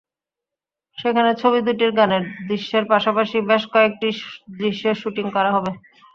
সেখানে ছবি দুটির গানের দৃশ্যের পাশাপাশি বেশ কয়েকটি দৃশ্যের শুটিং করা হবে।